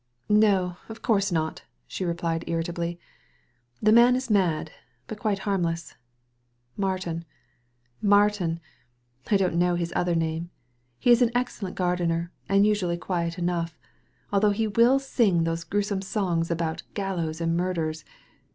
"No, of course not!'* she replied irritably; •'the man is mad, but quite harmless. Martin !— Martin !— I do not know his other name. He is an excellent gardener, and usually quiet enough, although he will sing those gruesome songs all about gallows and murders.